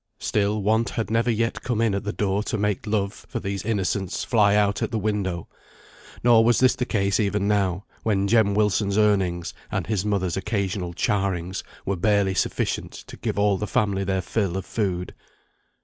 Still want had never yet come in at the door to make love for these innocents fly out at the window. Nor was this the case even now, when Jem Wilson's earnings, and his mother's occasional charrings were barely sufficient to give all the family their fill of food.